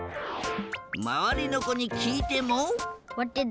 まわりのこにきいても。